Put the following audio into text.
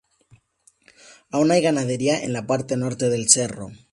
Aún hay ganadería en la parte norte del cerro.